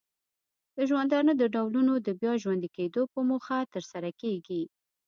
د ژوندانه د ډولونو د بیا ژوندې کیدو په موخه ترسره کیږي.